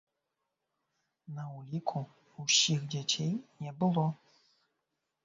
На ўліку ўсіх дзяцей не было.